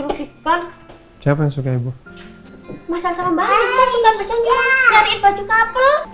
lupikan siapa yang suka ibu masalah sama banget suka besoknya nyariin baju kabel